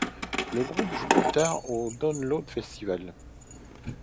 Le groupe joue plus tard au Download Festival.